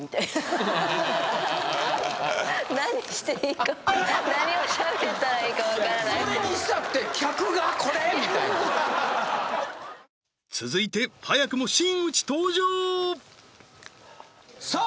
何していいかそれにしたって続いて早くも真打ち登場さあ